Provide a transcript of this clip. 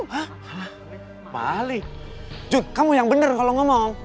hah maling jun kamu yang bener kalau ngomong